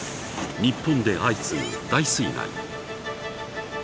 日本で相次ぐ大水害。